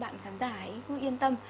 bạn khán giả hãy cứ yên tâm